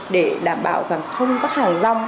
để đảm bảo rằng không các hàng rong